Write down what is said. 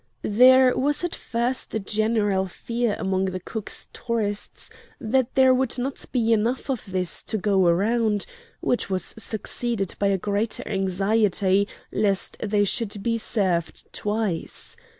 There was at first a general fear among the Cook's tourists that there would not be enough of this to go round, which was succeeded by a greater anxiety lest they should be served twice.